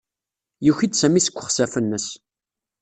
Yuki-d Sami seg uxsaf-nnes.